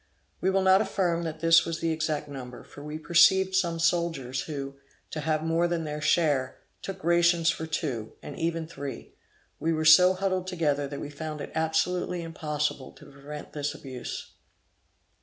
We will not affirm that this was the exact number; for we perceived some soldiers who, to have more than their share, took rations for two, and even three; we were so huddled together that we found it absolutely impossible to prevent this abuse.